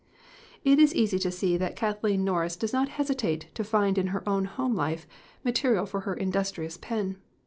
It is easy to see that Kathleen Norris does not hesitate to find in her own home life material for her industrious pen.